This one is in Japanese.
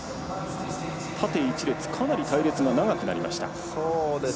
縦一列、かなり隊列が長くなりました。